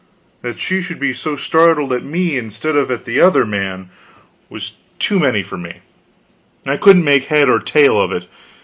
That she should be startled at me instead of at the other man, was too many for me; I couldn't make head or tail of it.